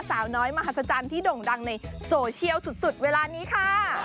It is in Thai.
สาวน้อยมหัศจรรย์ที่ด่งดังในโซเชียลสุดเวลานี้ค่ะ